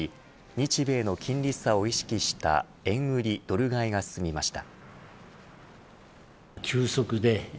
日米の金利差を意識した円売りドル買いが進みました。